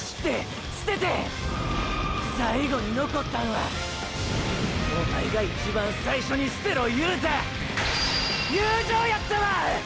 捨てて最後に残ったんはーーおまえが“一番最初に捨てろ”いうた友情やったわ！！